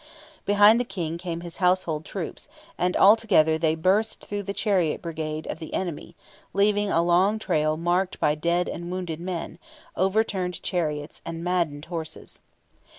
Behind the King came his household troops, and all together they burst through the chariot brigade of the enemy, leaving a long trail marked by dead and wounded men, overturned chariots, and maddened horses.